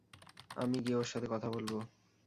আমি গিয়ে ওর সাথে কথা বলব?